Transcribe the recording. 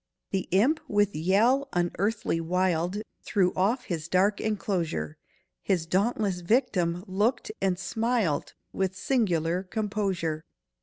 The imp with yell unearthly—wild— Threw off his dark enclosure: His dauntless victim looked and smiled With singular composure.